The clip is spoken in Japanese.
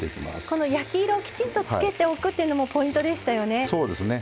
この焼き色をきちんとつけておくというのもポイントでしたよね。